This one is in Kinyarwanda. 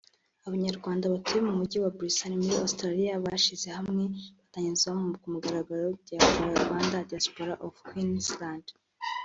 Abanyarwandabatuye mu Mujyi Brisbane muri Australia bishizehamwe batangiza ku mugaragaro Diapora (Rwanda Diaspora of Queensland)